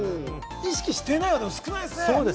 意識していないは少ないですね。